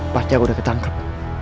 pasti aku udah ketangkep